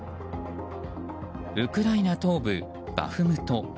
ウクライナ東部バフムト。